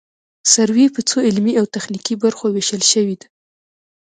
سروې په څو علمي او تخنیکي برخو ویشل شوې ده